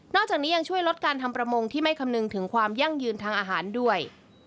จากนี้ยังช่วยลดการทำประมงที่ไม่คำนึงถึงความยั่งยืนทางอาหารด้วย